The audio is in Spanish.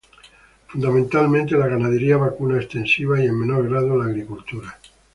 Fundamentalmente la ganadería vacuna extensiva y en menor grado la agricultura.